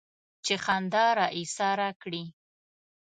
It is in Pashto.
چې خندا را ايساره کړي.